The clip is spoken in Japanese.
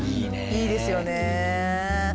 いいですよねぇ。